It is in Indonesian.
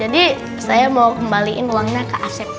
jadi saya mau kembaliin uangnya ke asep